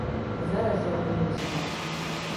Зараз жа апынуўся там.